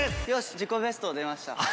よし自己ベスト出ました。